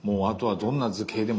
どんな図形でも。